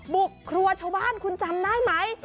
บุกครัวชาวบ้านคุณจำได้ไหม